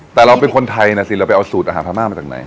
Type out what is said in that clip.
แต่เราเป็นคนไทยนะสิเราไปเอาสูตรอาหารพม่ามาจากไหน